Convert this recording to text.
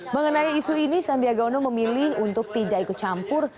mengenai isu ini sandiaga uno memilih untuk tidak ikut campur